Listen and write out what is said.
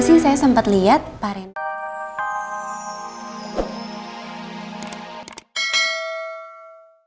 sih saya sempat lihat paren